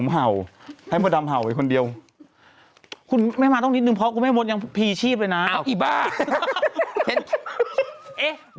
แม่ระวังกล้องหนิซิแม่